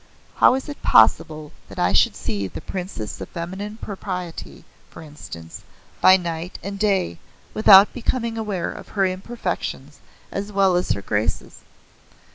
How is it possible that I should see the Princess of Feminine Propriety, for instance, by night and day without becoming aware of her imperfections as well as her graces?